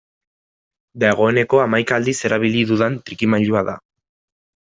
Dagoeneko hamaika aldiz erabili dudan trikimailua da.